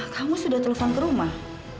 kamu sudah telepon ke rumah